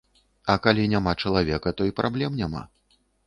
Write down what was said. А калі няма чалавека, то і праблем няма.